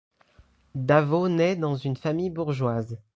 Davaux naît dans une famille bourgeoise.